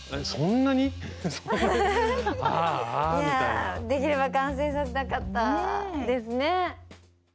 いやできれば完成させたかったですね！